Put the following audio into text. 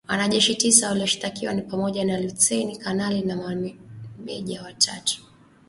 Wanajeshi tisa walioshtakiwa ni pamoja na luteini kanali na mameja watatu